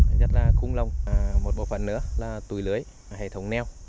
nhất là khung lồng một bộ phần nữa là tùy lưới hệ thống neo